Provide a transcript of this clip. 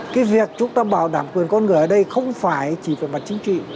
cái việc chúng ta bảo đảm quyền con người ở đây không phải chỉ về mặt chính trị